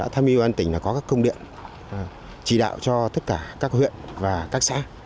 tham mưu an tỉnh là có các công điện chỉ đạo cho tất cả các huyện và các xã